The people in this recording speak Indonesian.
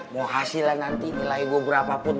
mau hasilnya nanti nilai gue berapa pun